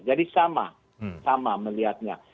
jadi sama sama melihatnya